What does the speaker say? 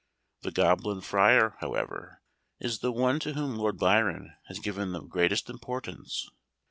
The goblin friar, however, is the one to whom Lord Byron has given the greatest importance.